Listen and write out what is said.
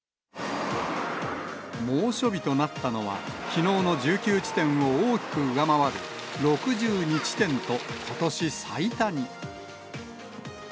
猛暑日となったのは、きのうの１９地点を大きく上回る６２地点と、ことし最多に。